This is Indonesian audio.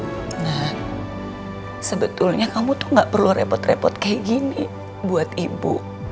nah sebetulnya kamu tuh gak perlu repot repot kayak gini buat ibu